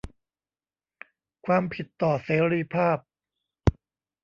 ความผิดต่อเสรีภาพ